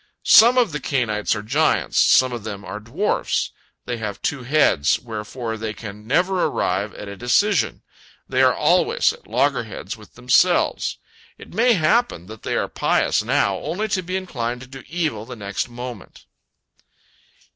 Some of the Cainites are giants, some of them are dwarfs. They have two heads, wherefore they can never arrive at a decision; they are always at loggerheads with themselves. It may happen that they are pious now, only to be inclined to do evil the next moment.